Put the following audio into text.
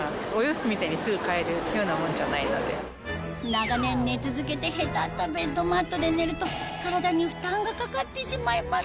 長年寝続けてへたったベッドマットで寝ると体に負担がかかってしまいます